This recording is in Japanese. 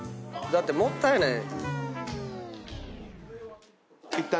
だってもったいない。